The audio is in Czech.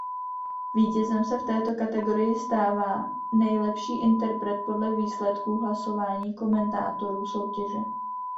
Vítězem se v této kategorii stává nejlepší interpret podle výsledků hlasování komentátorů soutěže.